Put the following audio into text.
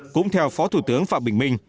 cũng theo phó thủ tướng phạm bình minh